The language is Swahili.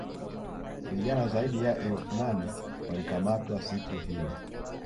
vijana zaidi ya elfu nane walikamatwa siku hiyo